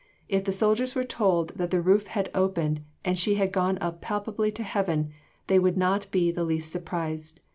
If the soldiers were told that the roof had opened, and she had gone up palpably to Heaven, they would not be the least surprised.